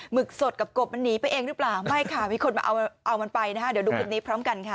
หมึกสดกับกบมันหนีไปเองรึเปล่ามีคนเอามันไปนะเดี๋ยวดูพวกนี้พร้อมกันค่ะ